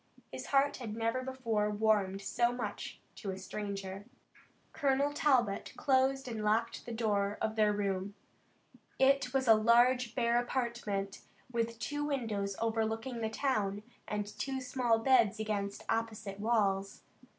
His heart had never before warmed so much to a stranger. Colonel Talbot closed and locked the door of their room. It was a large bare apartment with two windows overlooking the town, and two small beds against opposite walls.